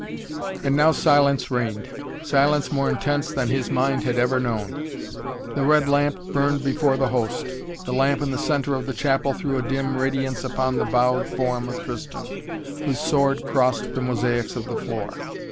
And now silence reigned, silence more intense than his mind had ever known. The red lamp burned before the Host. The lamp in the centre of the chapel threw a dim radiance upon the bowed form of Tristan, whose sword crossed the mosaics of the floor.